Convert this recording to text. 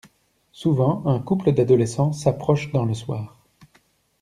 Souvent, un couple d’adolescents s’approche dans le soir.